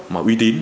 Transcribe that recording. mà uy tín